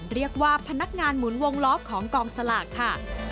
เรียกว่าพนักงานหมุนวงล้อของกองสลากค่ะ